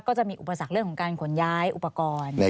ก็จะมีอุปสรรคเรื่องของการขนย้ายอุปกรณ์